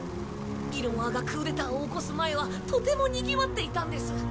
ギルモアがクーデターを起こす前はとてもにぎわっていたんです。